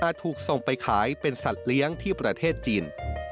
ถูกส่งไปขายเป็นสัตว์เลี้ยงที่ประเทศจีน